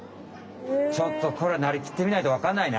ちょっとこれはなりきってみないとわかんないな。